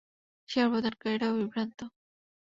সেবা প্রদানকারীরাও বিভ্রান্ত।